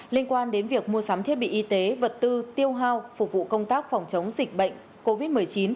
liên quan đến việc mua sắm thiết bị y tế vật tư tiêu hao phục vụ công tác phòng chống dịch bệnh covid một mươi chín